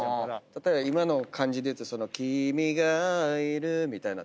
例えば今の感じでいうと「君がいる」みたいな。